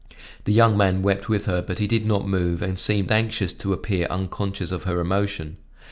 The young man wept with her, but he did not move and seemed anxious to appear unconscious of her emotion.